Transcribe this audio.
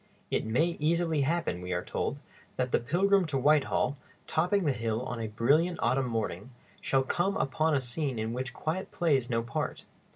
"It may easily happen," we are told, "that the pilgrim to Whitehall, topping the hill on a brilliant autumn morning, shall come upon a scene in which quiet plays no part.